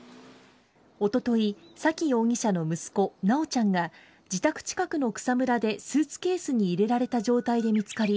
おととい沙喜容疑者の息子・修ちゃんが自宅近くの草むらでスーツケースに入れられた状態で見つかり